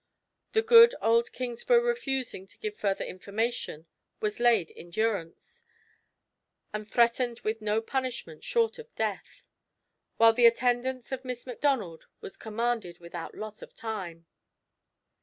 The good old Kingsburgh refusing to give further information, was laid in durance, and threatened with no punishment short of death; while the attendance of Miss Macdonald was commanded without loss of time.